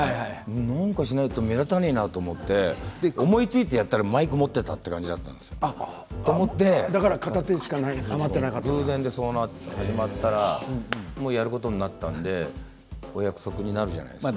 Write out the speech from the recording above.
何かしないと目立たないなと思って、思いついてやったらマイクを持っていたという片手しか偶然、そうなったらやることになったのね、お約束になるじゃないですか。